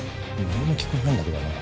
何も聞こえないんだけどな。